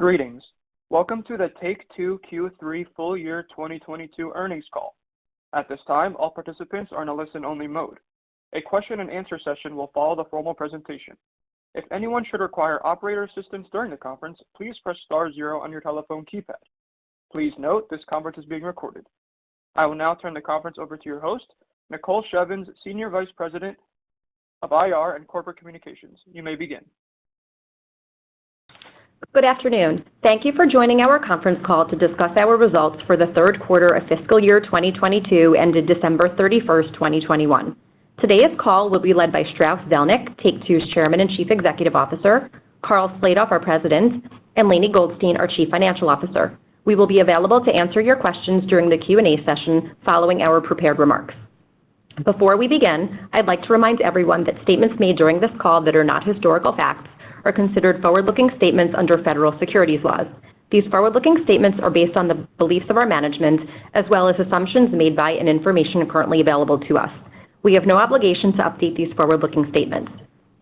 Greetings. Welcome to the Take-Two Q3 Full Year 2022 earnings call. At this time, all participants are in a listen only mode. A question and answer session will follow the formal presentation. If anyone should require operator assistance during the conference, please press star zero on your telephone keypad. Please note this conference is being recorded. I will now turn the conference over to your host, Nicole Shevins, Senior Vice President of IR and Corporate Communications. You may begin. Good afternoon. Thank you for joining our conference call to discuss our results for the third quarter of fiscal year 2022 ended December 31, 2021. Today's call will be led by Strauss Zelnick, Take-Two's Chairman and Chief Executive Officer, Karl Slatoff, our President, and Lainie Goldstein, our Chief Financial Officer. We will be available to answer your questions during the Q&A session following our prepared remarks. Before we begin, I'd like to remind everyone that statements made during this call that are not historical facts are considered forward-looking statements under federal securities laws. These forward-looking statements are based on the beliefs of our management as well as assumptions made by and information currently available to us. We have no obligation to update these forward-looking statements.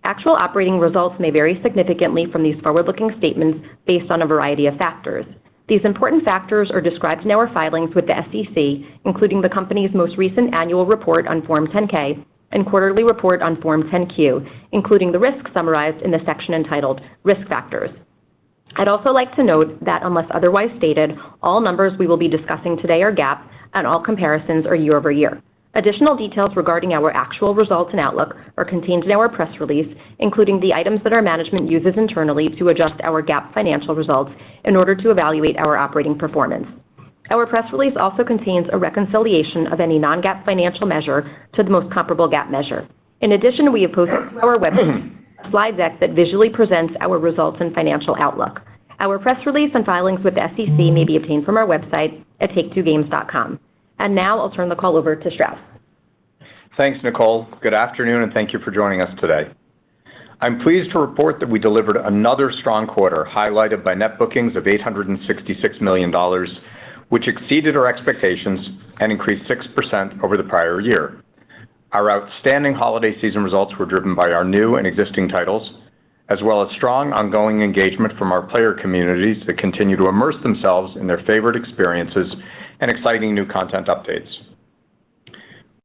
Actual operating results may vary significantly from these forward-looking statements based on a variety of factors. These important factors are described in our filings with the SEC, including the company's most recent annual report on Form 10-K and quarterly report on Form 10-Q, including the risks summarized in the section entitled Risk Factors. I'd also like to note that unless otherwise stated, all numbers we will be discussing today are GAAP and all comparisons are year-over-year. Additional details regarding our actual results and outlook are contained in our press release, including the items that our management uses internally to adjust our GAAP financial results in order to evaluate our operating performance. Our press release also contains a reconciliation of any non-GAAP financial measure to the most comparable GAAP measure. In addition, we have posted to our website a slide deck that visually presents our results and financial outlook. Our press release and filings with the SEC may be obtained from our website at take2games.com. Now I'll turn the call over to Strauss. Thanks, Nicole. Good afternoon, and thank you for joining us today. I'm pleased to report that we delivered another strong quarter highlighted by net bookings of $866 million, which exceeded our expectations and increased 6% over the prior year. Our outstanding holiday season results were driven by our new and existing titles, as well as strong ongoing engagement from our player communities that continue to immerse themselves in their favorite experiences and exciting new content updates.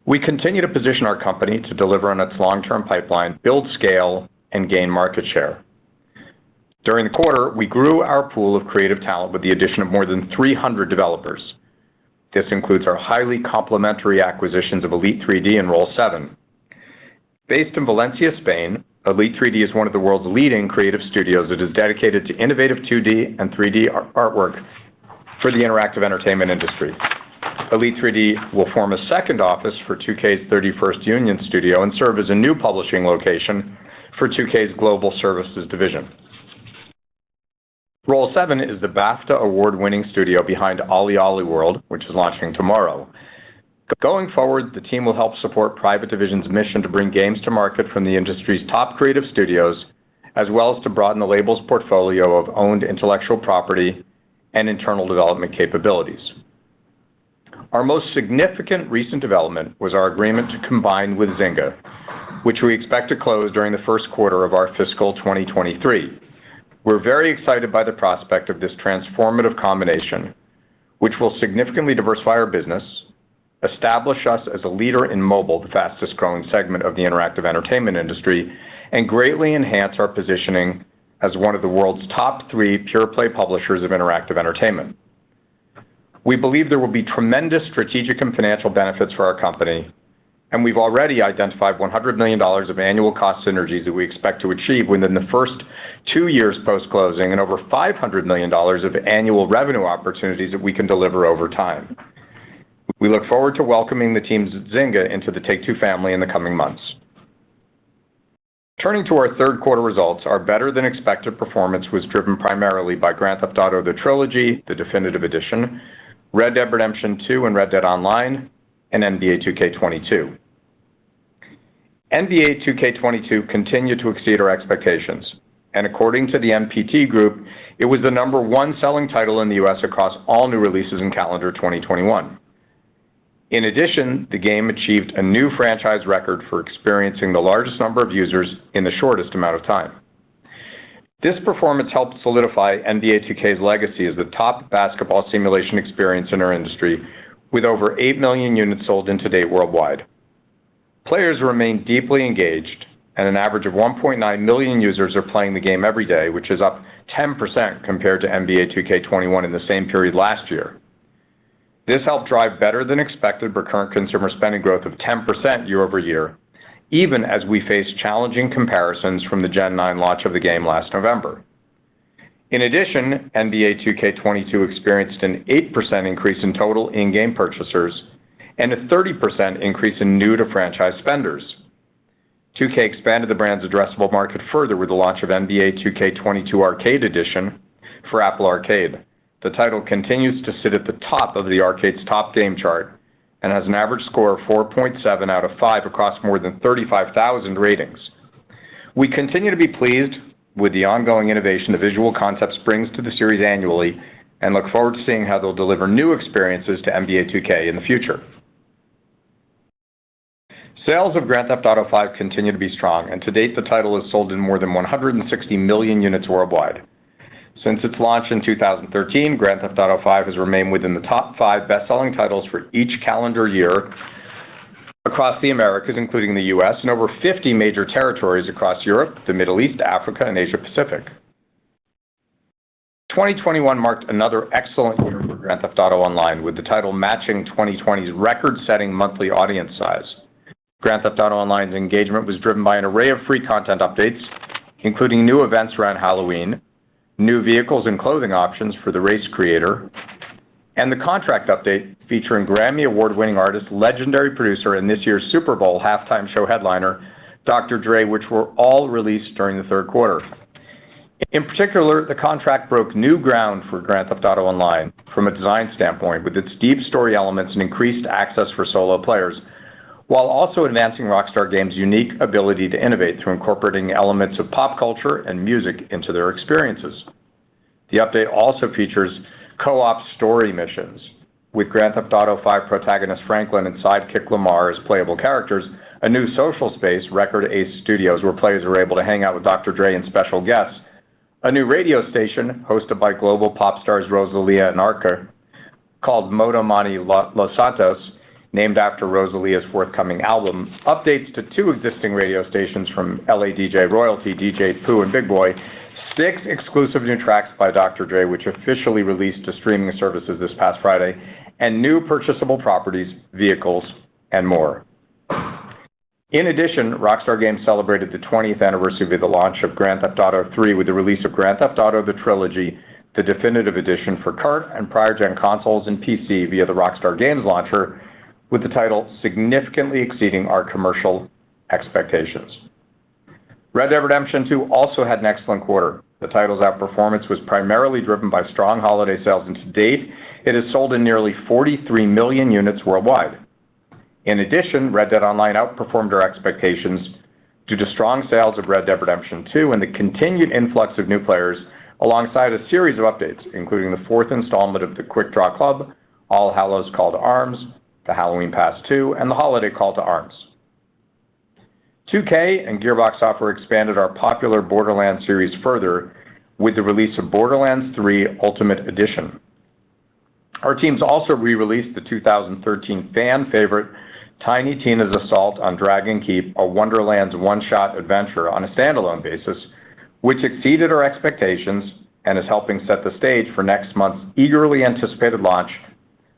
We continue to position our company to deliver on its long-term pipeline, build scale, and gain market share. During the quarter, we grew our pool of creative talent with the addition of more than 300 developers. This includes our highly complementary acquisitions of elite3d and Roll7. Based in Valencia, Spain, Elite3D is one of the world's leading creative studios that is dedicated to innovative 2D and 3D artwork for the interactive entertainment industry. Elite3D will form a second office for 2K's 31st Union studio and serve as a new publishing location for 2K's global services division. Roll7 is the BAFTA award-winning studio behind OlliOlli World, which is launching tomorrow. Going forward, the team will help support Private Division's mission to bring games to market from the industry's top creative studios, as well as to broaden the label's portfolio of owned intellectual property and internal development capabilities. Our most significant recent development was our agreement to combine with Zynga, which we expect to close during the first quarter of our fiscal 2023. We're very excited by the prospect of this transformative combination, which will significantly diversify our business, establish us as a leader in mobile, the fastest-growing segment of the interactive entertainment industry, and greatly enhance our positioning as one of the world's top three pure-play publishers of interactive entertainment. We believe there will be tremendous strategic and financial benefits for our company, and we've already identified $100 million of annual cost synergies that we expect to achieve within the first 2 years post-closing and over $500 million of annual revenue opportunities that we can deliver over time. We look forward to welcoming the teams at Zynga into the Take-Two family in the coming months. Turning to our third quarter results, our better-than-expected performance was driven primarily by Grand Theft Auto: The Trilogy - The Definitive Edition, Red Dead Redemption II and Red Dead Online, and NBA 2K22. NBA 2K22 continued to exceed our expectations, and according to the NPD Group, it was the number one selling title in the U.S. across all new releases in calendar 2021. In addition, the game achieved a new franchise record for experiencing the largest number of users in the shortest amount of time. This performance helped solidify NBA 2K's legacy as the top basketball simulation experience in our industry with over 8 million units sold to date worldwide. Players remain deeply engaged, and an average of 1.9 million users are playing the game every day, which is up 10% compared to NBA 2K21 in the same period last year. This helped drive better-than-expected recurring consumer spending growth of 10% year-over-year, even as we face challenging comparisons from the Gen Nine launch of the game last November. In addition, NBA 2K22 experienced an 8% increase in total in-game purchasers and a 30% increase in new-to-franchise spenders. 2K expanded the brand's addressable market further with the launch of NBA 2K22 Arcade Edition for Apple Arcade. The title continues to sit at the top of the Arcade's top game chart and has an average score of 4.7 out of 5 across more than 35,000 ratings. We continue to be pleased with the ongoing innovation the Visual Concepts brings to the series annually and look forward to seeing how they'll deliver new experiences to NBA 2K in the future. Sales of Grand Theft Auto V continue to be strong, and to date, the title has sold in more than 160 million units worldwide. Since its launch in 2013, Grand Theft Auto V has remained within the top 5 best-selling titles for each calendar year across the Americas, including the U.S., and over 50 major territories across Europe, the Middle East, Africa, and Asia Pacific. 2021 marked another excellent year for Grand Theft Auto Online, with the title matching 2020's record-setting monthly audience size. Grand Theft Auto Online's engagement was driven by an array of free content updates, including new events around Halloween, new vehicles and clothing options for the race creator, and the Contract update featuring Grammy Award-winning artist, legendary producer, and this year's Super Bowl halftime show headliner, Dr. Dre, which were all released during the third quarter. In particular, The Contract broke new ground for Grand Theft Auto Online from a design standpoint, with its deep story elements and increased access for solo players, while also advancing Rockstar Games' unique ability to innovate through incorporating elements of pop culture and music into their experiences. The update also features co-op story missions with Grand Theft Auto V protagonist Franklin and sidekick Lamar as playable characters, a new social space, Record A Studios, where players are able to hang out with Dr. Dre and special guests, a new radio station hosted by global pop stars Rosalía and Arca called MOTOMAMI Los Santos, named after Rosalía's forthcoming album, updates to two existing radio stations from L.A. DJ royalty, DJ Pooh and Big Boy, six exclusive new tracks by Dr. Dre, which officially released to streaming services this past Friday, and new purchasable properties, vehicles, and more. In addition, Rockstar Games celebrated the 20th anniversary of the launch of Grand Theft Auto III with the release of Grand Theft Auto: The Trilogy – The Definitive Edition for current and prior gen consoles and PC via the Rockstar Games Launcher, with the title significantly exceeding our commercial expectations. Red Dead Redemption 2 also had an excellent quarter. The title's outperformance was primarily driven by strong holiday sales, and to date, it has sold nearly 43 million units worldwide. In addition, Red Dead Online outperformed our expectations due to strong sales of Red Dead Redemption 2 and the continued influx of new players, alongside a series of updates, including the fourth installment of the Quick Draw Club, All Hallows' Call to Arms, The Halloween Pass 2, and the Holiday Call to Arms. 2K and Gearbox Software expanded our popular Borderlands series further with the release of Borderlands 3: Ultimate Edition. Our teams also re-released the 2013 fan favorite, Tiny Tina's Assault on Dragon Keep: A Wonderlands One-Shot Adventure on a standalone basis, which exceeded our expectations and is helping set the stage for next month's eagerly anticipated launch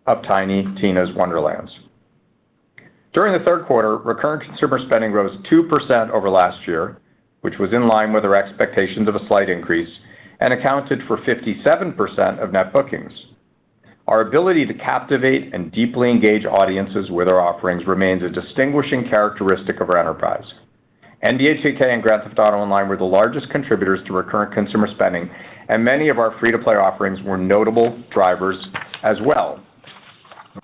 of Tiny Tina's Wonderlands. During the third quarter, recurrent consumer spending rose 2% over last year, which was in line with our expectations of a slight increase and accounted for 57% of net bookings. Our ability to captivate and deeply engage audiences with our offerings remains a distinguishing characteristic of our enterprise. NBA 2K and Grand Theft Auto Online were the largest contributors to recurrent consumer spending, and many of our free-to-play offerings were notable drivers as well.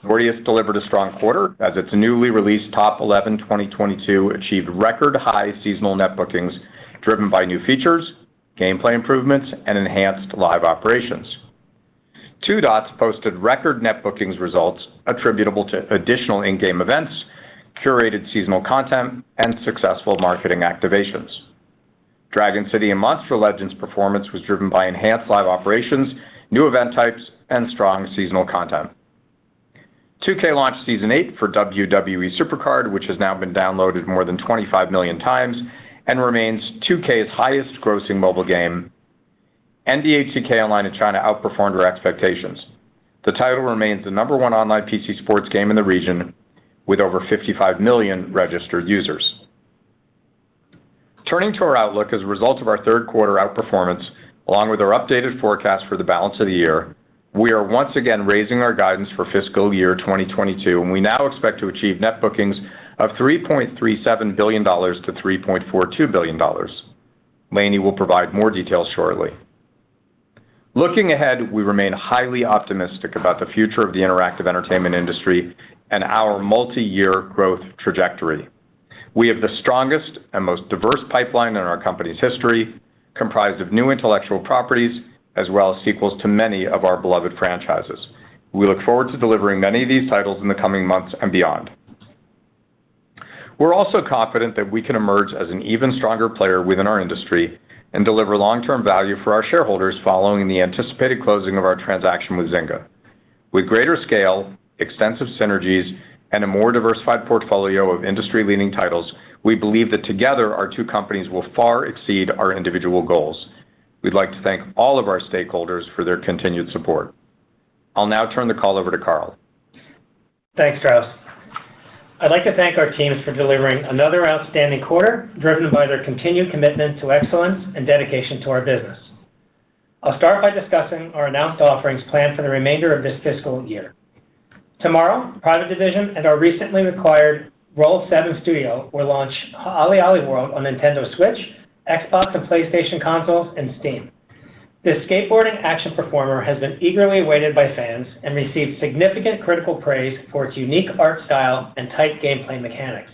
Nordeus delivered a strong quarter as its newly released Top Eleven 2022 achieved record high seasonal net bookings driven by new features, gameplay improvements, and enhanced live operations. Two Dots posted record net bookings results attributable to additional in-game events, curated seasonal content, and successful marketing activations. Dragon City and Monster Legends performance was driven by enhanced live operations, new event types, and strong seasonal content. 2K launched Season Eight for WWE SuperCard, which has now been downloaded more than 25 million times and remains 2K's highest grossing mobile game. NBA 2K Online in China outperformed our expectations. The title remains the number one online PC sports game in the region with over 55 million registered users. Turning to our outlook as a result of our third quarter outperformance, along with our updated forecast for the balance of the year, we are once again raising our guidance for fiscal year 2022, and we now expect to achieve net bookings of $3.37 billion-$3.42 billion. Lainie will provide more details shortly. Looking ahead, we remain highly optimistic about the future of the interactive entertainment industry and our multi-year growth trajectory. We have the strongest and most diverse pipeline in our company's history, comprised of new intellectual properties as well as sequels to many of our beloved franchises. We look forward to delivering many of these titles in the coming months and beyond. We're also confident that we can emerge as an even stronger player within our industry and deliver long-term value for our shareholders following the anticipated closing of our transaction with Zynga. With greater scale, extensive synergies, and a more diversified portfolio of industry-leading titles, we believe that together, our two companies will far exceed our individual goals. We'd like to thank all of our stakeholders for their continued support. I'll now turn the call over to Karl. Thanks, Strauss. I'd like to thank our teams for delivering another outstanding quarter, driven by their continued commitment to excellence and dedication to our business. I'll start by discussing our announced offerings planned for the remainder of this fiscal year. Tomorrow, Private Division and our recently acquired Roll7 will launch OlliOlli World on Nintendo Switch, Xbox and PlayStation consoles, and Steam. This skateboarding action platformer has been eagerly awaited by fans and received significant critical praise for its unique art style and tight gameplay mechanics.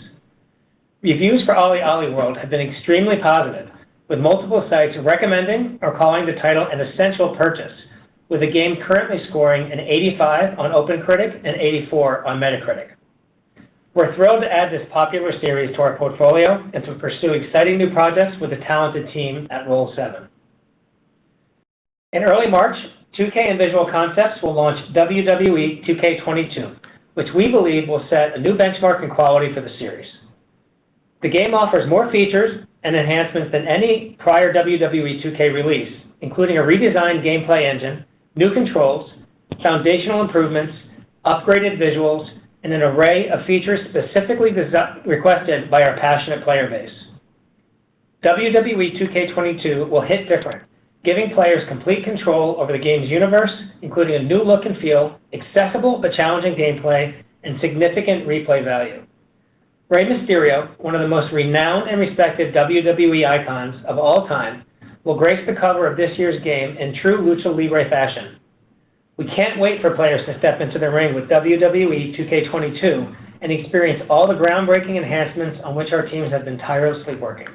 Reviews for OlliOlli World have been extremely positive, with multiple sites recommending or calling the title an essential purchase, with the game currently scoring an 85 on OpenCritic and 84 on Metacritic. We're thrilled to add this popular series to our portfolio and to pursue exciting new projects with the talented team at Roll7. In early March, 2K and Visual Concepts will launch WWE 2K22, which we believe will set a new benchmark in quality for the series. The game offers more features and enhancements than any prior WWE 2K release, including a redesigned gameplay engine, new controls, foundational improvements, upgraded visuals, and an array of features specifically requested by our passionate player base. WWE 2K22 will hit different, giving players complete control over the game's universe, including a new look and feel, accessible but challenging gameplay, and significant replay value. Rey Mysterio, one of the most renowned and respected WWE icons of all time, will grace the cover of this year's game in true Lucha Libre fashion. We can't wait for players to step into the ring with WWE 2K22 and experience all the groundbreaking enhancements on which our teams have been tirelessly working.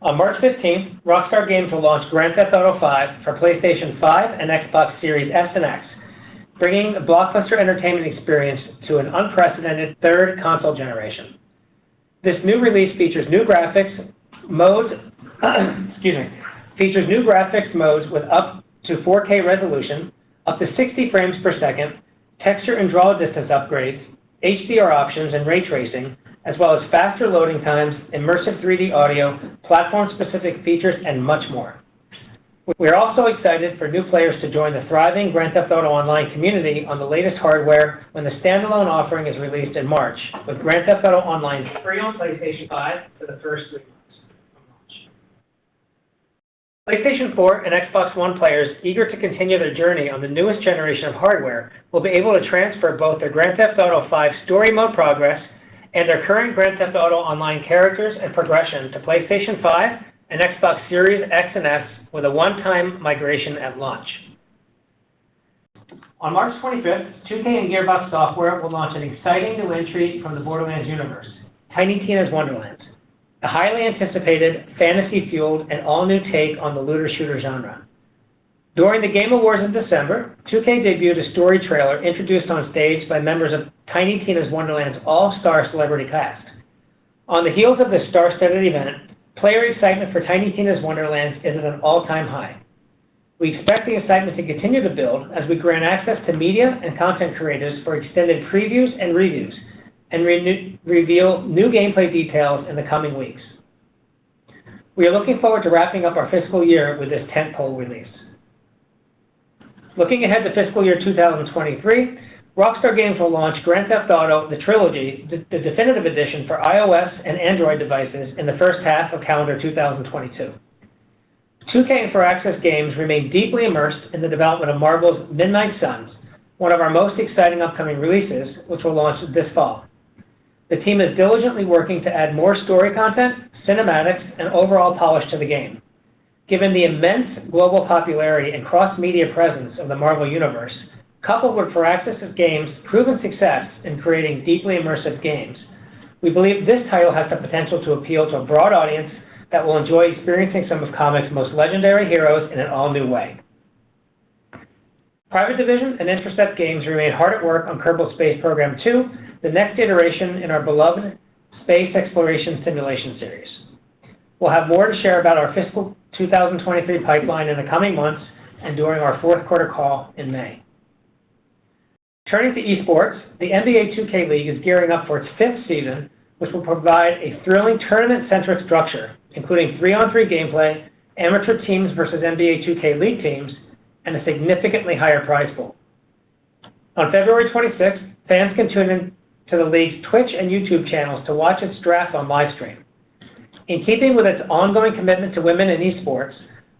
On March fifteenth, Rockstar Games will launch Grand Theft Auto V for PlayStation 5 and Xbox Series S and X, bringing the blockbuster entertainment experience to an unprecedented third console generation. This new release features new graphics modes with up to 4K resolution, up to 60 frames per second, texture and draw distance upgrades, HDR options, and ray tracing, as well as faster loading times, immersive 3D audio, platform-specific features, and much more. We're also excited for new players to join the thriving Grand Theft Auto Online community on the latest hardware when the standalone offering is released in March with Grand Theft Auto Online free on PlayStation 5 for the first three months from launch. PlayStation 4 and Xbox One players eager to continue their journey on the newest generation of hardware will be able to transfer both their Grand Theft Auto V story mode progress and their current Grand Theft Auto Online characters and progression to PlayStation 5 and Xbox Series X and S with a one-time migration at launch. On March 25, 2K and Gearbox Software will launch an exciting new entry from the Borderlands universe, Tiny Tina's Wonderlands, a highly anticipated fantasy-fueled and all-new take on the looter shooter genre. During The Game Awards in December, 2K debuted a story trailer introduced on stage by members of Tiny Tina's Wonderlands all-star celebrity cast. On the heels of the star-studded event, player excitement for Tiny Tina's Wonderlands is at an all-time high. We expect the excitement to continue to build as we grant access to media and content creators for extended previews and reviews, and reveal new gameplay details in the coming weeks. We are looking forward to wrapping up our fiscal year with this tentpole release. Looking ahead to fiscal year 2023, Rockstar Games will launch Grand Theft Auto: The Trilogy – The Definitive Edition for iOS and Android devices in the first half of calendar 2022. 2K and Firaxis Games remain deeply immersed in the development of Marvel's Midnight Suns, one of our most exciting upcoming releases, which will launch this fall. The team is diligently working to add more story content, cinematics, and overall polish to the game. Given the immense global popularity and cross-media presence of the Marvel universe, coupled with Firaxis Games' proven success in creating deeply immersive games, we believe this title has the potential to appeal to a broad audience that will enjoy experiencing some of comics' most legendary heroes in an all-new way. Private Division and Intercept Games remain hard at work on Kerbal Space Program 2, the next iteration in our beloved space exploration simulation series. We'll have more to share about our fiscal 2023 pipeline in the coming months and during our fourth quarter call in May. Turning to esports, the NBA 2K League is gearing up for its fifth season, which will provide a thrilling tournament-centric structure, including three-on-three gameplay, amateur teams versus NBA 2K League teams, and a significantly higher prize pool. On February twenty-sixth, fans can tune in to the league's Twitch and YouTube channels to watch its draft on livestream. In keeping with its ongoing commitment to women in esports,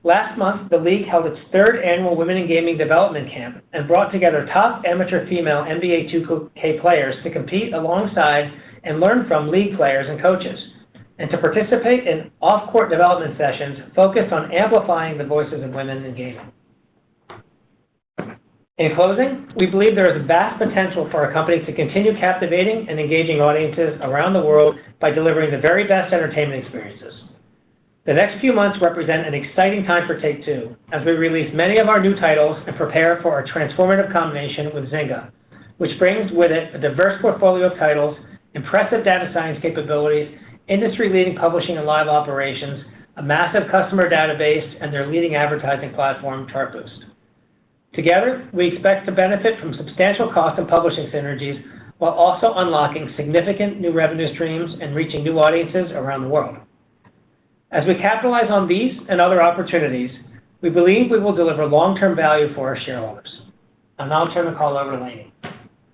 last month, the league held its third annual Women in Gaming Development Camp and brought together top amateur female NBA 2K players to compete alongside and learn from league players and coaches, and to participate in off-court development sessions focused on amplifying the voices of women in gaming. In closing, we believe there is vast potential for our company to continue captivating and engaging audiences around the world by delivering the very best entertainment experiences. The next few months represent an exciting time for Take-Two as we release many of our new titles and prepare for our transformative combination with Zynga, which brings with it a diverse portfolio of titles, impressive data science capabilities, industry-leading publishing and live operations, a massive customer database, and their leading advertising platform, Chartboost. Together, we expect to benefit from substantial cost and publishing synergies while also unlocking significant new revenue streams and reaching new audiences around the world. As we capitalize on these and other opportunities, we believe we will deliver long-term value for our shareholders. I'll now turn the call over to Lainie.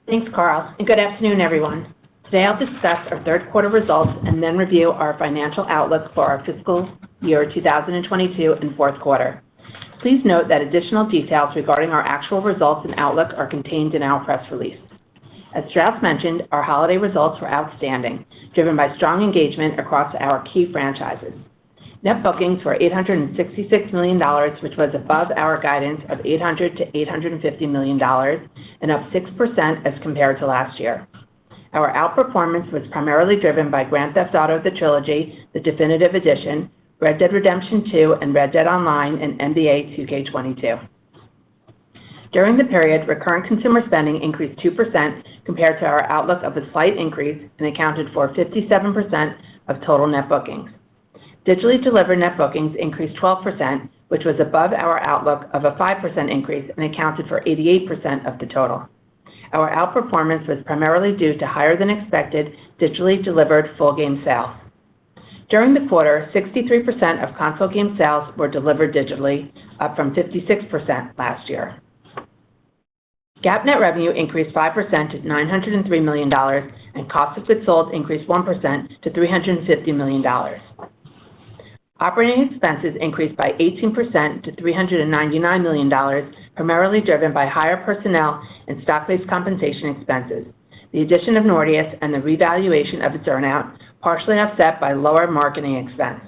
Thanks, Karl, and good afternoon, everyone. Today, I'll discuss our third quarter results and then review our financial outlook for our fiscal year 2022 and fourth quarter. Please note that additional details regarding our actual results and outlook are contained in our press release. As Strauss mentioned, our holiday results were outstanding, driven by strong engagement across our key franchises. Net bookings were $866 million, which was above our guidance of $800-$850 million, and up 6% as compared to last year. Our outperformance was primarily driven by Grand Theft Auto: The Trilogy - The Definitive Edition, Red Dead Redemption 2 and Red Dead Online, and NBA 2K22. During the period, recurring consumer spending increased 2% compared to our outlook of a slight increase, and accounted for 57% of total net bookings. Digitally delivered net bookings increased 12%, which was above our outlook of a 5% increase, and accounted for 88% of the total. Our outperformance was primarily due to higher than expected digitally delivered full game sales. During the quarter, 63% of console game sales were delivered digitally, up from 56% last year. GAAP net revenue increased 5% to $903 million, and cost of goods sold increased 1% to $350 million. Operating expenses increased by 18% to $399 million, primarily driven by higher personnel and stock-based compensation expenses, the addition of Nordeus, and the revaluation of its earn-out, partially offset by lower marketing expense.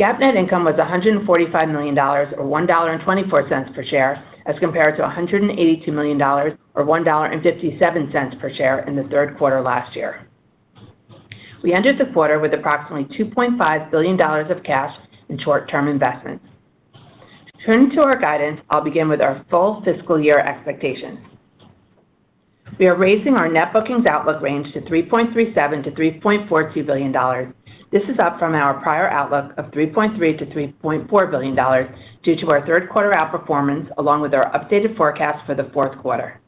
GAAP net income was $145 million, or $1.24 per share, as compared to $182 million, or $1.57 per share in the third quarter last year. We ended the quarter with approximately $2.5 billion of cash in short-term investments. Turning to our guidance, I'll begin with our full fiscal year expectations. We are raising our net bookings outlook range to $3.37-$3.42 billion. This is up from our prior outlook of $3.3-$3.4 billion due to our third quarter outperformance, along with our updated forecast for the fourth quarter.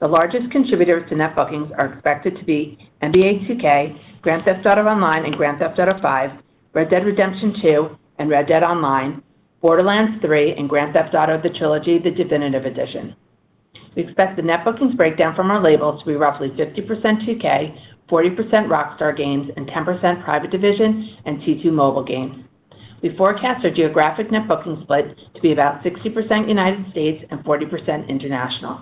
The largest contributors to net bookings are expected to be NBA 2K, Grand Theft Auto Online and Grand Theft Auto V, Red Dead Redemption II and Red Dead Online, Borderlands III, and Grand Theft Auto: The Trilogy - The Definitive Edition. We expect the net bookings breakdown from our labels to be roughly 50% 2K, 40% Rockstar Games, and 10% Private Division and T2 Mobile Games. We forecast our geographic net bookings split to be about 60% United States and 40% international.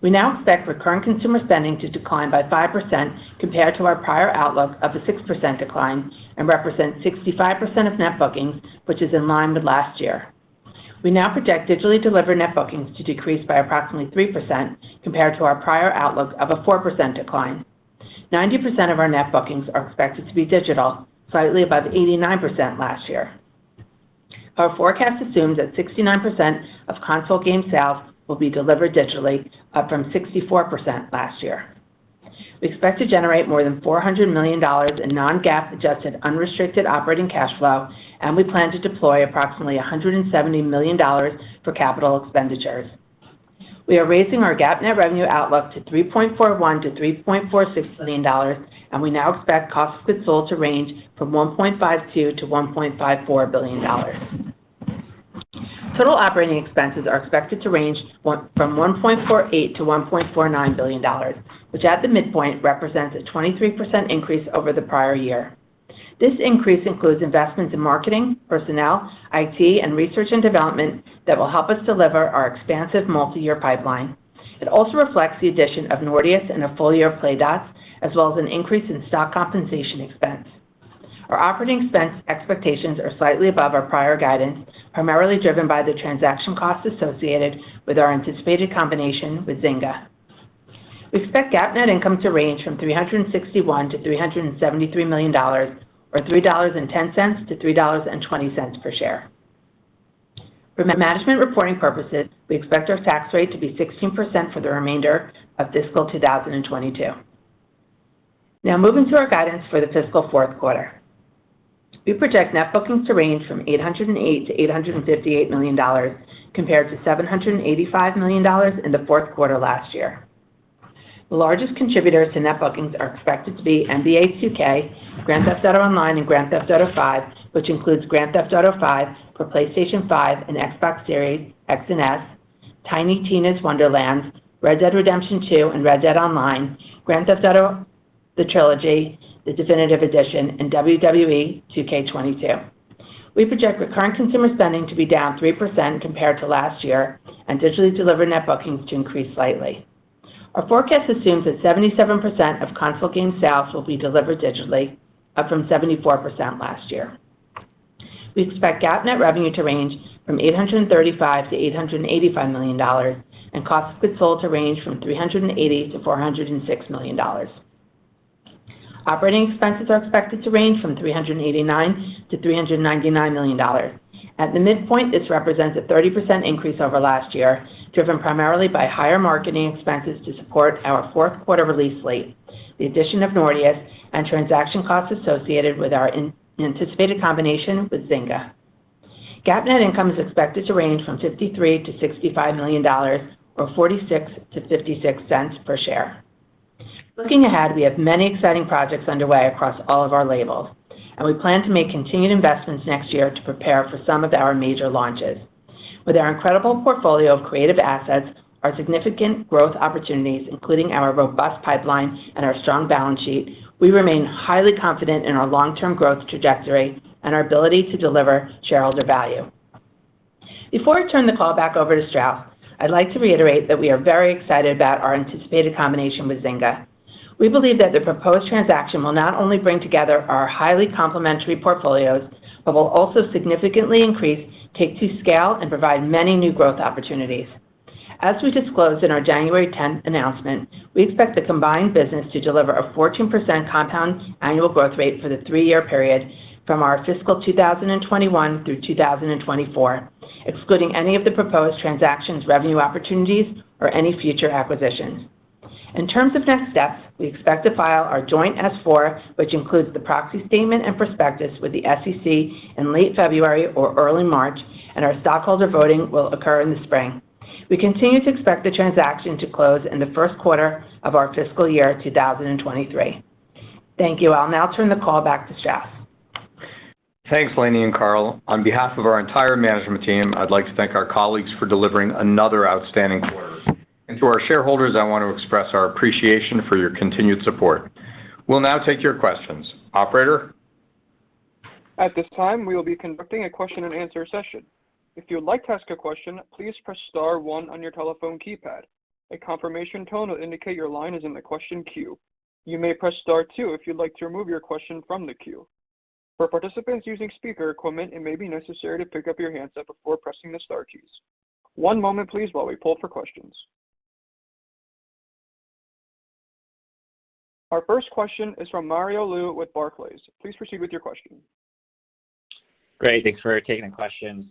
We now expect recurring consumer spending to decline by 5% compared to our prior outlook of a 6% decline, and represent 65% of net bookings, which is in line with last year. We now project digitally delivered net bookings to decrease by approximately 3% compared to our prior outlook of a 4% decline. 90% of our net bookings are expected to be digital, slightly above the 89% last year. Our forecast assumes that 69% of console game sales will be delivered digitally, up from 64% last year. We expect to generate more than $400 million in non-GAAP adjusted unrestricted operating cash flow, and we plan to deploy approximately $170 million for capital expenditures. We are raising our GAAP net revenue outlook to $3.41-$3.46 billion, and we now expect cost of goods sold to range from $1.52-$1.54 billion. Total operating expenses are expected to range from $1.48-$1.49 billion, which at the midpoint represents a 23% increase over the prior year. This increase includes investments in marketing, personnel, IT, and research and development that will help us deliver our expansive multi-year pipeline. It also reflects the addition of Nordeus and a full year of Playdots, as well as an increase in stock compensation expense. Our operating expense expectations are slightly above our prior guidance, primarily driven by the transaction costs associated with our anticipated combination with Zynga. We expect GAAP net income to range from $361-$373 million, or $3.10-$3.20 per share. For management reporting purposes, we expect our tax rate to be 16% for the remainder of fiscal 2022. Now moving to our guidance for the fiscal fourth quarter. We project net bookings to range from $808 million-$858 million, compared to $785 million in the fourth quarter last year. The largest contributors to net bookings are expected to be NBA 2K, Grand Theft Auto Online and Grand Theft Auto V, which includes Grand Theft Auto V for PlayStation 5 and Xbox Series X and S, Tiny Tina's Wonderlands, Red Dead Redemption 2 and Red Dead Online, Grand Theft Auto: The Trilogy – The Definitive Edition, and WWE 2K22. We project recurring consumer spending to be down 3% compared to last year, and digitally delivered net bookings to increase slightly. Our forecast assumes that 77% of console game sales will be delivered digitally, up from 74 last year. We expect GAAP net revenue to range from $835 million-$885 million, and cost of goods sold to range from $380 million-$406 million. Operating expenses are expected to range from $389-$399 million. At the midpoint, this represents a 30% increase over last year, driven primarily by higher marketing expenses to support our fourth quarter release slate, the addition of Nordeus, and transaction costs associated with our anticipated combination with Zynga. GAAP net income is expected to range from $53-$65 million, or $0.46-$0.56 per share. Looking ahead, we have many exciting projects underway across all of our labels, and we plan to make continued investments next year to prepare for some of our major launches. With our incredible portfolio of creative assets, our significant growth opportunities, including our robust pipeline and our strong balance sheet, we remain highly confident in our long-term growth trajectory and our ability to deliver shareholder value. Before I turn the call back over to Strauss, I'd like to reiterate that we are very excited about our anticipated combination with Zynga. We believe that the proposed transaction will not only bring together our highly complementary portfolios, but will also significantly increase Take-Two's scale and provide many new growth opportunities. As we disclosed in our January 10 announcement, we expect the combined business to deliver a 14% compound annual growth rate for the three-year period from our fiscal 2021 through 2024, excluding any of the proposed transactions, revenue opportunities, or any future acquisitions. In terms of next steps, we expect to file our joint S-4, which includes the proxy statement and prospectus with the SEC in late February or early March, and our stockholder voting will occur in the spring. We continue to expect the transaction to close in the first quarter of our fiscal year 2023. Thank you. I'll now turn the call back to Strauss. Thanks, Lainie and Karl. On behalf of our entire management team, I'd like to thank our colleagues for delivering another outstanding quarter. To our shareholders, I want to express our appreciation for your continued support. We'll now take your questions. Operator. At this time, we will be conducting a question-and-answer session. If you'd like to ask a question, please press star 1 on your telephone keypad. A confirmation tone will indicate your line is in the question queue. You may press star 2 if you'd like to remove your question from the queue. For participants using speaker equipment, it may be necessary to pick up your handset before pressing the star keys. One moment please while we poll for questions. Our first question is from Mario Lu with Barclays. Please proceed with your question. Great. Thanks for taking the questions.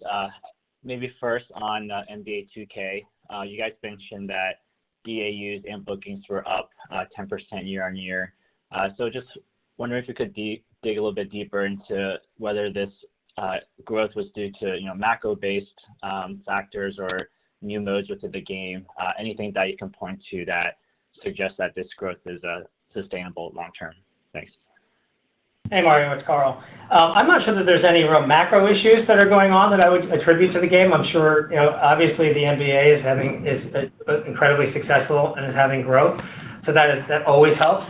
Maybe first on NBA 2K. You guys mentioned that DAUs and bookings were up 10% year-on-year. Just wondering if you could dig a little bit deeper into whether this growth was due to, you know, macro-based factors or new modes within the game. Anything that you can point to that suggests that this growth is sustainable long term. Thanks. Hey, Mario, it's Karl. I'm not sure that there's any real macro issues that are going on that I would attribute to the game. I'm sure, you know, obviously the NBA is incredibly successful and is having growth, so that always helps.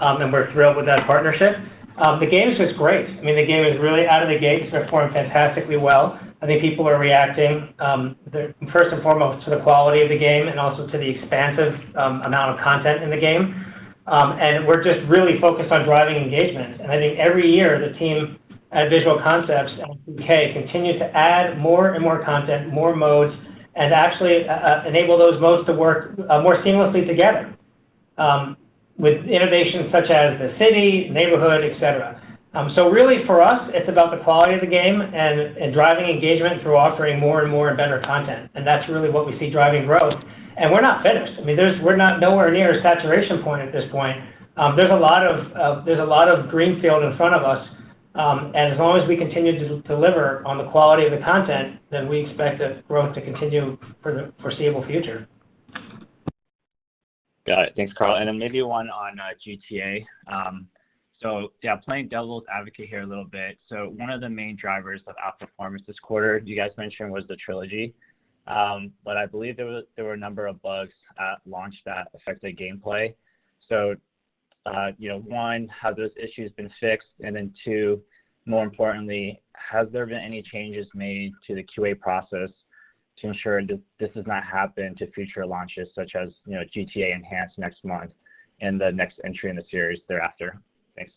We're thrilled with that partnership. The game's just great. I mean, the game is really out of the gates. They're performing fantastically well. I think people are reacting, first and foremost to the quality of the game and also to the expansive amount of content in the game. We're just really focused on driving engagement. I think every year the team at Visual Concepts and 2K continue to add more and more content, more modes, and actually enable those modes to work more seamlessly together with innovations such as the city, neighborhood, et cetera. Really for us, it's about the quality of the game and driving engagement through offering more and more and better content, and that's really what we see driving growth. We're not finished. I mean, we're not nowhere near a saturation point at this point. There's a lot of greenfield in front of us. As long as we continue to deliver on the quality of the content, then we expect the growth to continue for the foreseeable future. Got it. Thanks, Karl. Maybe one on GTA. Yeah, playing devil's advocate here a little bit. One of the main drivers of outperformance this quarter you guys mentioned was the trilogy. I believe there were a number of bugs at launch that affected gameplay. You know, one, have those issues been fixed? Two, more importantly, has there been any changes made to the QA process to ensure this does not happen to future launches such as, you know, GTA Enhanced next month and the next entry in the series thereafter? Thanks.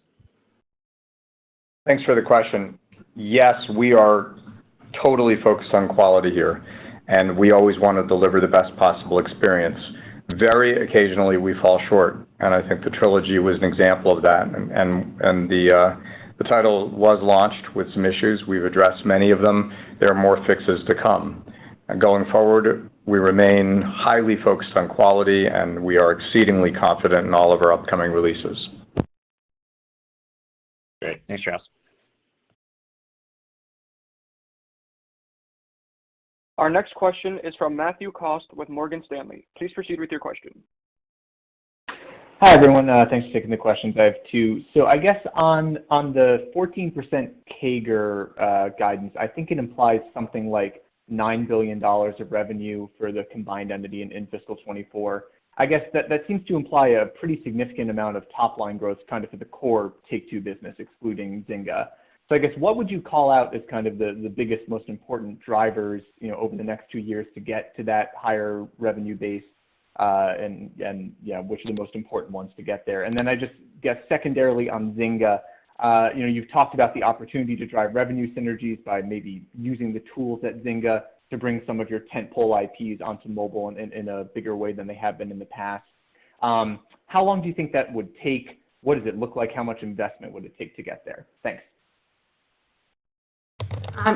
Thanks for the question. Yes, we are totally focused on quality here, and we always want to deliver the best possible experience. Very occasionally, we fall short, and I think the trilogy was an example of that. The title was launched with some issues. We've addressed many of them. There are more fixes to come. Going forward, we remain highly focused on quality, and we are exceedingly confident in all of our upcoming releases. Great. Thanks, Strauss. Our next question is from Matthew Cost with Morgan Stanley. Please proceed with your question. Hi, everyone. Thanks for taking the questions. I have two. I guess on the 14% CAGR guidance, I think it implies something like $9 billion of revenue for the combined entity in fiscal 2024. I guess that seems to imply a pretty significant amount of top-line growth kind of for the core Take-Two business, excluding Zynga. I guess, what would you call out as kind of the biggest, most important drivers, you know, over the next two years to get to that higher revenue base? And yeah, which are the most important ones to get there? I just guess secondarily on Zynga, you know, you've talked about the opportunity to drive revenue synergies by maybe using the tools at Zynga to bring some of your tent-pole IPs onto mobile in a bigger way than they have been in the past. How long do you think that would take? What does it look like? How much investment would it take to get there? Thanks.